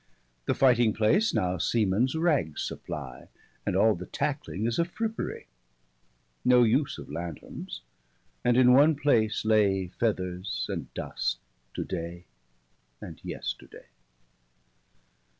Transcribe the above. The fighting place now seamens ragges supply; 15 And all the tackling is a frippery. No use of lanthornes; and in one place lay Feathers and dust, to day and yesterday.